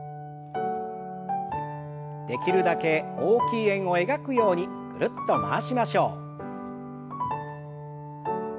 できるだけ大きい円を描くようにぐるっと回しましょう。